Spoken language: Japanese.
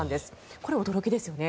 これ、驚きですよね。